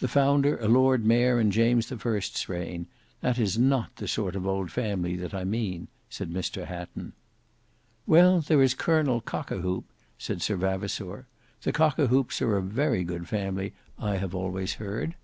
"The founder a lord mayor in James the First's reign. That is not the sort of old family that I mean," said Mr Hatton. "Well there is Colonel Cockawhoop," said Sir Vavasour. "The Cockawhoops are a very good family I have always heard."